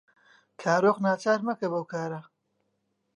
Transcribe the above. کارۆخ ناچار مەکە بەو کارە.